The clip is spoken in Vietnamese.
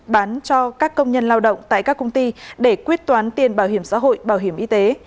bán cho các công nhân lao động tại các công ty để quyết toán tiền bảo hiểm xã hội bảo hiểm y tế